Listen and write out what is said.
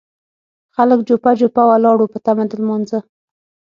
خلک جوپه جوپه ولاړ وو په تمه د لمانځه.